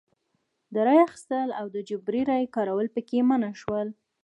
د رایو اخیستل او د جبري رایې کارول پکې منع شول.